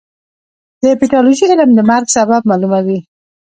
د پیتالوژي علم د مرګ سبب معلوموي.